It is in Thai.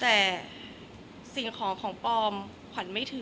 แต่สิ่งของของปลอมขวัญไม่ถือ